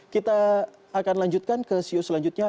kita akan lanjutkan ke siu selanjutnya